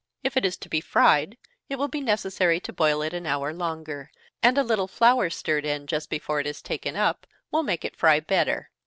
If it is to be fried, it will be necessary to boil it an hour longer; and a little flour stirred in, just before it is taken up, will make it fry better.